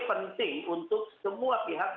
penting untuk semua pihak